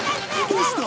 どうした？